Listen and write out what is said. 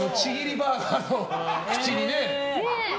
バーガーの口にね。